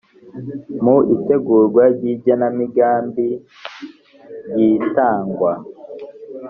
mu itegurwa ry igenamigambi ry itangwa